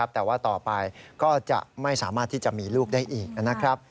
แต่ว่าต่อไปก็จะไม่สามารถที่จะมีลูกได้อีกนะครับ